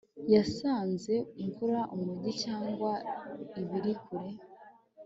Yasanze imva umujyi cyangwa ibiri kure